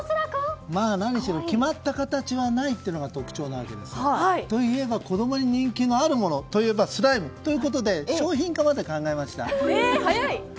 何にしろ決まった形がないというのが特徴なわけで子供に人気のあるものといえばスライムということで商品化まで考えました。